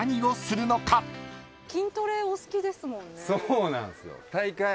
そうなんすよ。